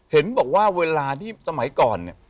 เห็นบอกว่าเวลาที่สมัยก่อนเนี่ย